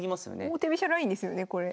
王手飛車ラインですよねこれ。